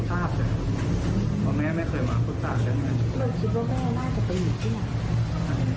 มาจากที่ชิงว่าแม่น่าจะมีอยู่ที่ไหน